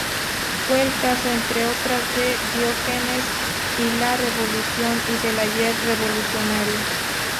Fue el caso, entre otras, de "Diógenes y la Revolución" y "Del Ayer Revolucionario".